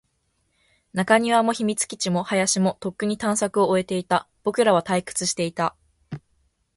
中庭も、秘密基地も、林も、とっくに探索を終えていた。僕らは退屈していた。